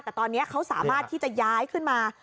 แต่ตอนนี้เขาสามารถที่จะย้ายขึ้นมา